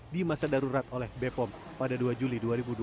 di masa darurat oleh bepom pada dua juli dua ribu dua puluh